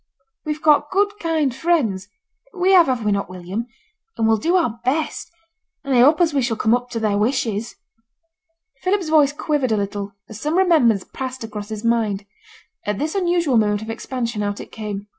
We've got good kind friends we have, have we not, William? and we'll do our best, and I hope as we shall come up to their wishes.' Philip's voice quivered a little, as some remembrance passed across his mind; at this unusual moment of expansion out it came.